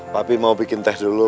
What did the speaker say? tapi mau bikin teh dulu